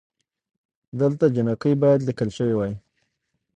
دلته جینکۍ بايد ليکل شوې وئ